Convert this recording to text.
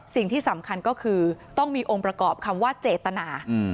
สิ่งที่สำคัญก็คือต้องมีองค์ประกอบคำว่าเจตนา